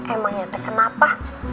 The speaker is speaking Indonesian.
emangnya pesen apa